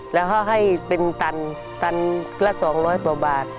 แล้วก็ให้เป็นตันตันละสองร้อยกว่าบาท